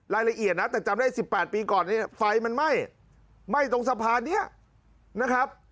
รายละเอียดนะแต่จำได้๑๘ปีก่อนนี้ไฟมันไหม้ไหม้ตรงสะพานนี้นะครับ